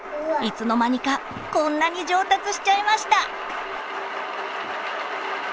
いつの間にかこんなに上達しちゃいました！